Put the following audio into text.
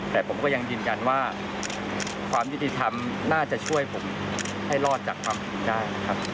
แต่ผมก็ยังยืนยันว่าความยุติธรรมน่าจะช่วยผมให้รอดจากความผิดได้นะครับ